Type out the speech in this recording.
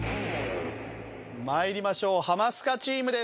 参りましょうハマスカチームです。